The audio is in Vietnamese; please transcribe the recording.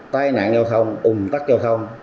tai nạn giao thông bùng tắc giao thông